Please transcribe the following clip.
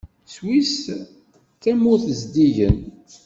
Swiss d tamurt zeddigen.